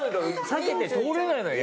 避けて通れないのよ